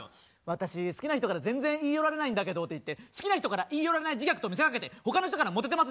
「私好きな人から全然言い寄られないんだけど」って言って好きな人から言い寄られない自虐と見せかけて他の人からモテてます